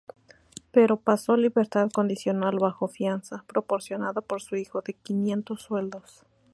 Pero pasó a libertad condicional bajo fianza —proporcionada por su hijo— de quinientos sueldos.